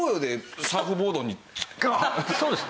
そうです。